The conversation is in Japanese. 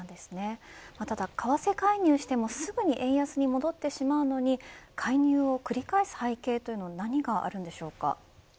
ただ為替介入してもすぐに円安に戻ってしまうのに介入を繰り返す背景というのは何があるのでしょうか。